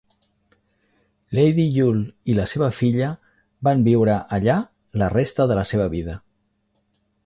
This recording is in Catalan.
Lady Yule i la seva filla van viure allà la resta de la seva vida.